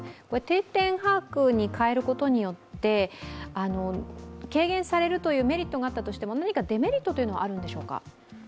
定点把握に変えることによって軽減されるというメリットがあったとしても何かデメリットはあるんでしょうか。